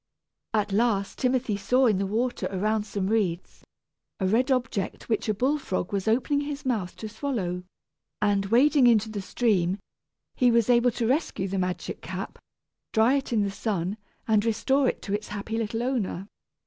At last Timothy saw in the water around some reeds a red object which a bull frog was opening his mouth to swallow; and, wading into the stream, he was able to rescue the magic cap, dry it in the sun, and restore it to its happy little owner.